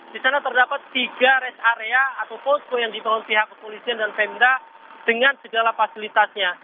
di sana terdapat tiga rest area atau posko yang dibangun pihak kepolisian dan pemda dengan segala fasilitasnya